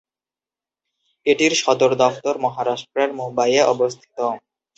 এটির সদর দফতর মহারাষ্ট্রের মুম্বাইয়ে অবস্থিত।